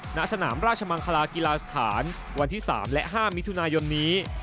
ณสนามราชมังคลากีฬาสถานวันที่๓และ๕มิถุนายนนี้